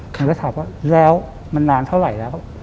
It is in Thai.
ผมก็ถามว่าแล้วมันนานเท่าไหร่แล้ว